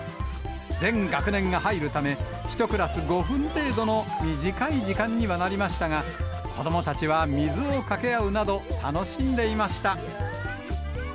全学年が入るため、１クラス５分程度の短い時間にはなりましたが、子どもたちは水をかけ合うなど、楽しんでいました。